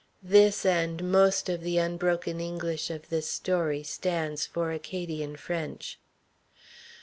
(This and most of the unbroken English of this story stands for Acadian French.)